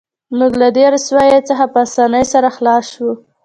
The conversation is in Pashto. موږ له دې رسوایۍ څخه په اسانۍ سره خلاص شو